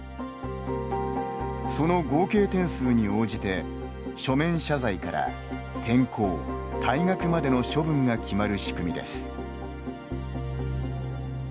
その合計点数に応じて書面謝罪から転校、退学までの処分が決まる仕組みです。